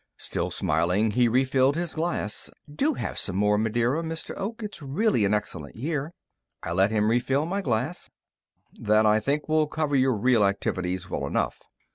Still smiling, he refilled his glass. "Do have some more Madeira, Mr. Oak. It's really an excellent year." I let him refill my glass. "That, I think, will cover your real activities well enough.